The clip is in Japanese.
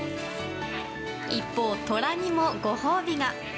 一方、トラにもご褒美が。